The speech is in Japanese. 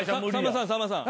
さんまさん。